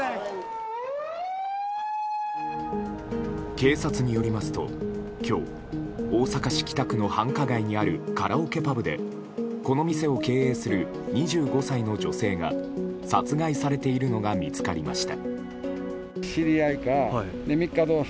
警察によりますと今日、大阪市北区の繁華街にあるカラオケパブでこの店を経営する２５歳の女性が殺害されているのが見つかりました。